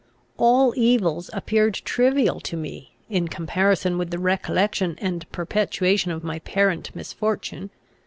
All evils appeared trivial to me, in comparison with the recollection and perpetuation of my parent misfortune.